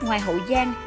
ngoài hậu giang